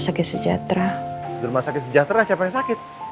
sakit sejahtera di rumah sakit sejahtera siapa yang sakit